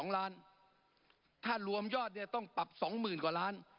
๒ล้านถ้ารวมยอดเนี่ยต้องปรับ๒๐๐๐กว่าล้าน